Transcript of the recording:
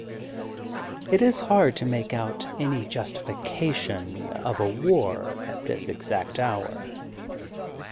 It is hard to make out any justification of a war at this exact hour.